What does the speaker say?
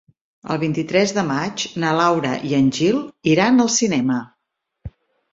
El vint-i-tres de maig na Laura i en Gil iran al cinema.